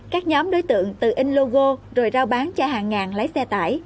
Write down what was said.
các nhóm đối tượng từ in logo rồi rao bán cho hàng ngàn lái xe tải